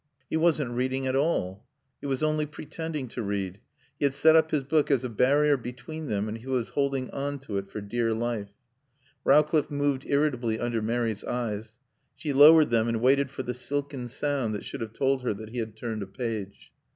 He wasn't reading at all; he was only pretending to read. He had set up his book as a barrier between them, and he was holding on to it for dear life. Rowcliffe moved irritably under Mary's eyes. She lowered them and waited for the silken sound that should have told her that he had turned a page.